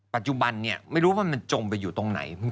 ปัจจุบันเนี่ยไม่รู้ว่ามันจมไปอยู่ตรงไหน